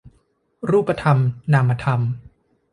รูปธรรมนามธรรม